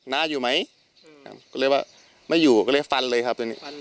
้าอยู่ไหมก็เลยว่าไม่อยู่ก็เลยฟันเลยครับตัวนี้